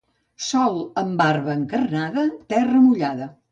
Sol amb barba encarnada, terra mullada.